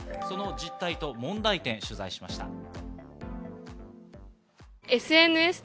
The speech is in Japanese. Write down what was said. その実態と問題点を取材しました。